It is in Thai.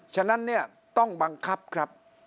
ฉะนั้นต้องบังคับครับ